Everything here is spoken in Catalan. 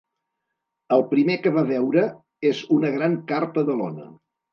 El primer que va veure és una gran carpa de lona.